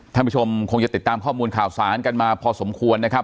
ท่านผู้ชมคงจะติดตามข้อมูลข่าวสารกันมาพอสมควรนะครับ